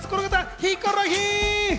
ヒコロヒー！